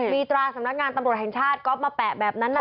มีตราสำนักงานตำรวจแห่งชาติก๊อฟมาแปะแบบนั้น